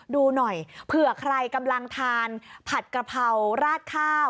ดูหน่อยเผื่อใครกำลังทานผัดกระเพราราดข้าว